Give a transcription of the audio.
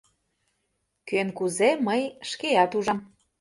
— Кӧн кузе, мый шкеат ужам.